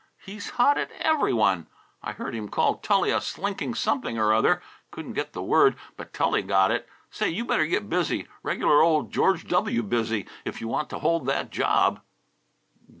He's hot at every one. I heard him call Tully a slinking something or other; couldn't get the word, but Tully got it. Say, you better get busy regular old George W. Busy if you want to hold that job."